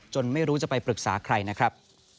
ไม่รู้จะไปปรึกษาใครนะครับ